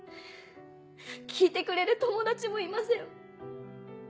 聞いてくれる友達もいません。